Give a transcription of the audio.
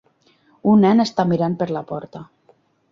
Un nen està mirant per la porta.